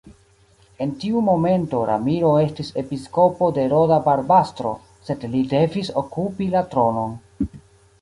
En tiu momento Ramiro estis episkopo de Roda-Barbastro, sed li devis okupi la tronon.